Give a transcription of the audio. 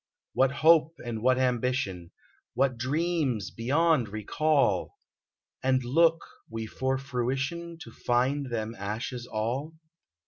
What hope and what ambition. What dreams beyond recall ! And look we for fruition. To find them ashes all